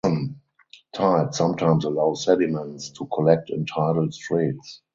Tides sometimes allow sediments to collect in tidal straits.